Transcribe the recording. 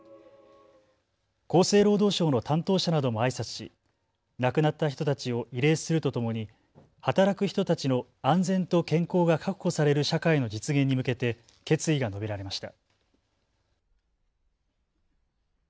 厚生労働省の担当者などもあいさつし、亡くなった人たちを慰霊するとともに働く人たちの安全と健康が確保される社会の実現に向けて決意が述べられました。